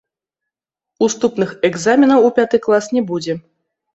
Уступных экзаменаў у пяты клас не будзе.